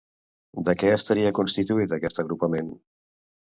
De què estaria constituït aquest agrupament?